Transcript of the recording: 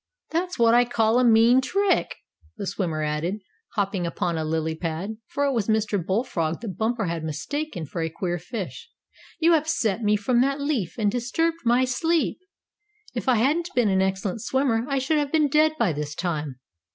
"That's what I call a mean trick!" the swimmer added, hopping upon a lily pad, for it was Mr. Bull Frog that Bumper had mistaken for a queer fish. "You upset me from that leaf and disturbed my sleep. If I hadn't been an excellent swimmer I should have been dead by this time."